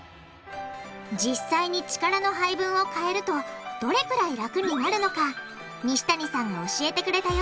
実際に力の配分を変えるとどれくらい楽になるのか西谷さんが教えてくれたよ